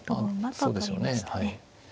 そうでしょうねはい。